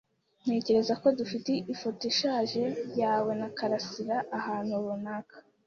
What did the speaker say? Ntekereza ko dufite ifoto ishaje yawe na Karasiraahantu runaka.